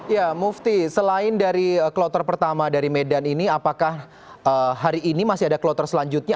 ya mufti selain dari kloter pertama dari medan ini apakah hari ini masih ada kloter selanjutnya